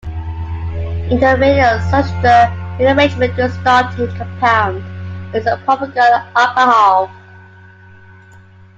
In the Meyer-Schuster rearrangement the starting compound is a propargyl alcohol.